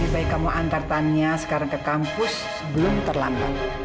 baik kamu antartannya sekarang ke kampus belum terlambat